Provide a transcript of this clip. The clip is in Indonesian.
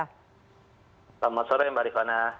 selamat sore mbak rifana